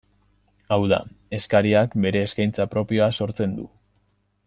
Hau da, eskariak bere eskaintza propioa sortzen du.